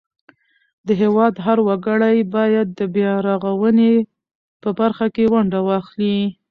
د هیواد هر وګړی باید د بیارغونې په برخه کې ونډه واخلي.